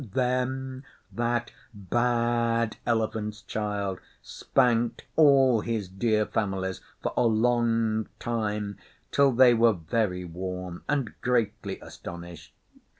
Then that bad Elephant's Child spanked all his dear families for a long time, till they were very warm and greatly astonished.